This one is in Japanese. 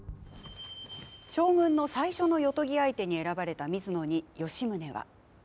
将軍の最初の夜とぎ相手に選ばれた水野に吉宗は。